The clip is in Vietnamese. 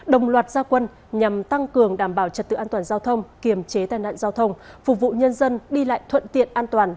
đồng loạt gia quân nhằm tăng cường đảm bảo trật tự an toàn giao thông kiềm chế tai nạn giao thông phục vụ nhân dân đi lại thuận tiện an toàn